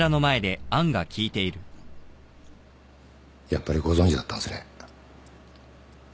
やっぱりご存じだったんですね。